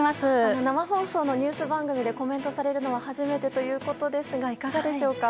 生放送のニュース番組でコメントされるのは初めてということですがいかがでしょうか。